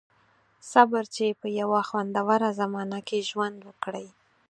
• صبر، چې په یوه خوندوره زمانه کې ژوند وکړئ.